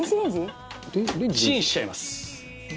チンしちゃいます。